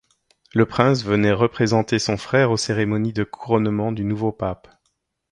Le prince venait représenter son frère aux cérémonies de couronnement du nouveau pape.